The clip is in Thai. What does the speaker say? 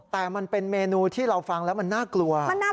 แต่มันเป็นเมนูที่เราฟังแล้วมันน่ากลัว